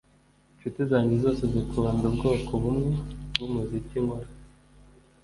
Inshuti zanjye zose zikunda ubwoko bumwe bwumuziki nkora